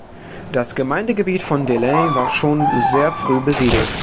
Das Gemeindegebiet von Delain war schon sehr früh besiedelt.